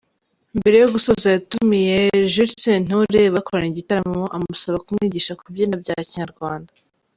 Mbere yo gusoza yatumiye Jules Sentore bakoranye igitaramo amusaba kumwigisha kubyina bya kinyarwanda.